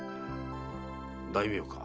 大名か。